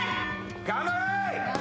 頑張れ。